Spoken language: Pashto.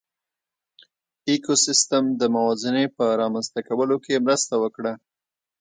ایکوسېسټم د موازنې په رامنځ ته کولو کې مرسته وکړه.